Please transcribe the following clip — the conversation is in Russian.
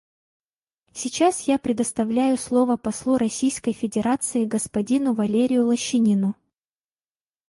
Сейчас я предоставляю слово послу Российской Федерации господину Валерию Лощинину.